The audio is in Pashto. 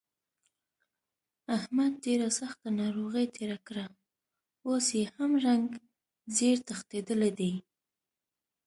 احمد ډېره سخته ناروغۍ تېره کړه، اوس یې هم رنګ زېړ تښتېدلی دی.